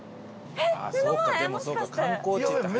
えっ！